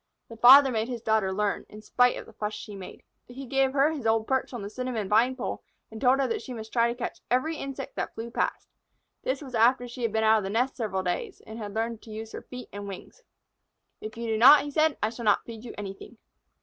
The father made his daughter learn, in spite of the fuss she made. He gave her his old perch on the cinnamon vine pole, and told her that she must try to catch every insect that flew past. This was after she had been out of the nest several days, and had learned to use her feet and wings. "If you do not," he said, "I shall not feed you anything."